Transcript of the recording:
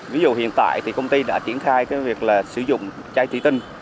ví dụ hiện tại thì công ty đã triển khai cái việc là sử dụng chai trị tinh